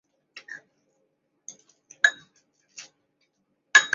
其附近设有同名的自然保护区。